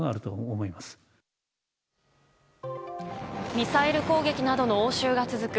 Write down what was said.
ミサイル攻撃などの応酬が続く